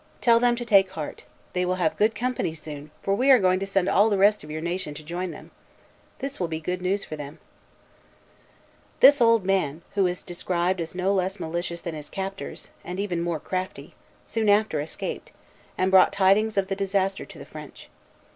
Tell them to take heart: they will have good company soon, for we are going to send all the rest of your nation to join them. This will be good news for them." Vimont, Relation, 1642, 45. This old man, who is described as no less malicious than his captors, and even more crafty, soon after escaped, and brought tidings of the disaster to the French.